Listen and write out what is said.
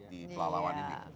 di pelaluan ini